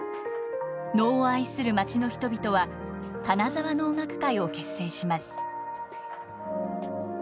能を愛する町の人々は金沢能楽会を結成します。